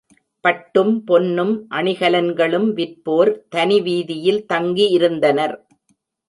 பட்டும், பொன்னும், அணிகலன்களும் விற்போர் தனிவீதியில் தங்கி இருந்தனர்.